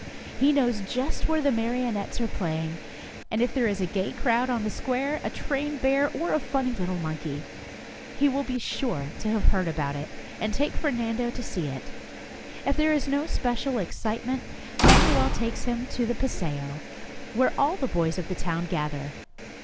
He knows just where the marionettes are playing, and if there is a gay crowd on the square, a trained bear or a funny little monkey, he will be sure to have heard about it, and take Fernando to see it. If there is no special excitement, Manuel takes him to the paseo, where all the boys of the town gather.